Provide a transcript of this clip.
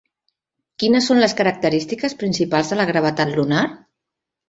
Quines són les característiques principals de la gravetat lunar?